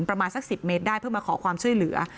ประมาณสัก๑๐เมตรได้เพื่อมาขอความช่วยเหลือ